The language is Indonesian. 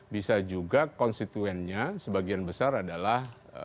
bisa juga konstituennya sebagian besar adalah